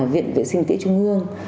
viện vệ sinh tỉa trung ương